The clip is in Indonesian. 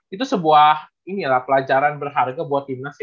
itu sebuah pelajaran berharga buat timnas ya